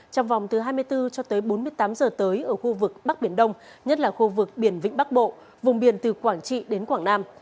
trong vòng từ hai mươi bốn cho tới bốn mươi tám giờ tới ở khu vực bắc biển đông nhất là khu vực biển vĩnh bắc bộ vùng biển từ quảng trị đến quảng nam